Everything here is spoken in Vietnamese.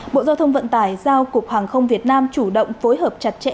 bộ giao thông vận tải giao cục hàng không việt nam chủ động phối hợp chặt chẽ